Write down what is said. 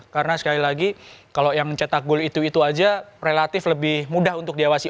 karena sekali lagi kalau yang mencetak gol itu itu aja relatif lebih mudah untuk diawasi